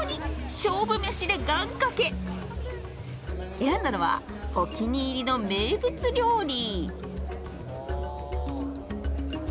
選んだのはお気に入りの名物料理。